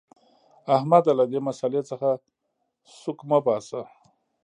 احمده! له دې مسئلې څخه سوک مه باسه.